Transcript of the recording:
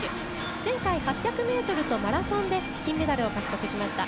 前回、８００ｍとマラソンで金メダルを獲得しました。